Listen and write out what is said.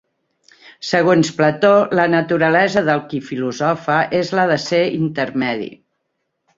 Segons Plató, la naturalesa del qui filosofa és la de ser intermedi.